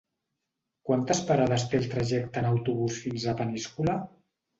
Quantes parades té el trajecte en autobús fins a Peníscola?